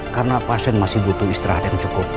karena pasien masih butuh istirahat yang cukup